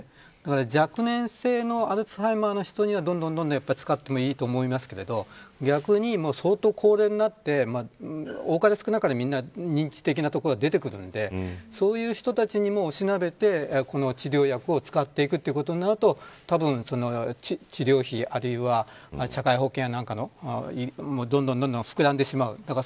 若年性のアルツハイマーの人にはどんどん使ってもいいと思いますけど逆に、相当高齢になって多かれ少なかれ認知的なことが出てくるのでそういう人たちにもおしなべて、この治療薬を使っていくことになると治療費あるいは社会保険やなんかがどんどん膨らんでしまう。